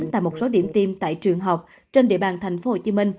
tại một số điểm tiêm tại trường học trên địa bàn tp hcm